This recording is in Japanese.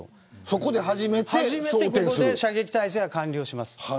ここで初めて射撃体勢が完了します。